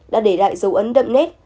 đã để lại dấu ấn đậm nét